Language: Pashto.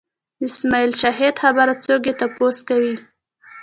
د اسماعیل شاهد خبره څوک یې تپوس کوي